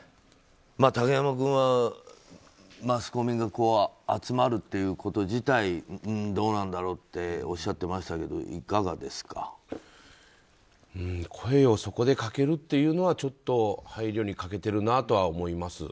竹山君はマスコミが集まるっていうこと自体どうなんだろうっておっしゃってましたけど声をそこでかけるっていうのはちょっと配慮に欠けてるなとは思います。